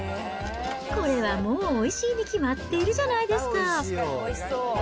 これはもうおいしいに決まっているじゃないですか。